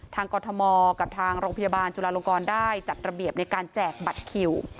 กรทมกับทางโรงพยาบาลจุฬาลงกรได้จัดระเบียบในการแจกบัตรคิว